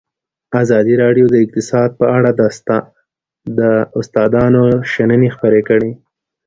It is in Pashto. ازادي راډیو د اقتصاد په اړه د استادانو شننې خپرې کړي.